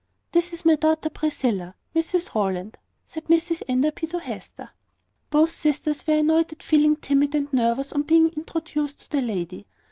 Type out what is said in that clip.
"This is my daughter Priscilla, Mrs Rowland," said Mrs Enderby to Hester. Both sisters were annoyed at feeling timid and nervous on being introduced to the lady.